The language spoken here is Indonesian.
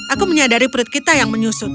aku menyadari perut kita yang menyusut